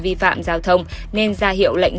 vi phạm giao thông nên ra hiệu lệnh